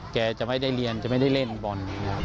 จะไม่ได้เรียนจะไม่ได้เล่นบอล